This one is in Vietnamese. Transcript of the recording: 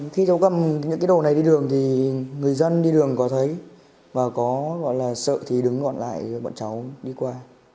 khi cháu cầm những cái đồ này đi đường thì người dân đi đường có thấy và có sợ thì đứng gọn lại bọn cháu đi qua